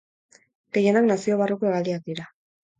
Gehienak nazio barruko hegaldiak dira.